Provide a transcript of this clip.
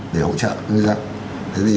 để hỗ trợ ngư dân